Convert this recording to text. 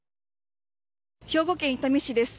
兵庫県伊丹市です。